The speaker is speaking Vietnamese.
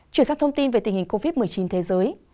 chuyển sang thông tin về tình hình covid một mươi chín thế giới